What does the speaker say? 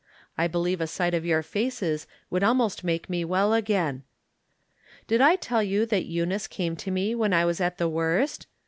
I believe a sight of your faces would almost make me well again. Did I tell you that Eunice came to me when I was at the worst